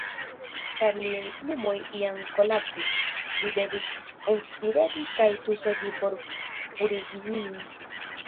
Ĉar liaj pulmoj iam kolapsis, li devis enspiregi kaj tusegi por purigi ilin.